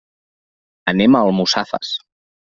Anem a Almussafes.